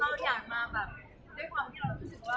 เวลาแรกพี่เห็นแวว